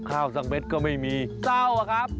ข้าวสังเบตก็ไม่มีเศร้าหรือครับ